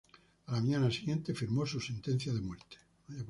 A la mañana siguiente firmó su sentencia de muerte.